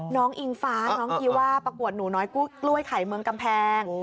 อิงฟ้าน้องกีว่าประกวดหนูน้อยกล้วยไข่เมืองกำแพง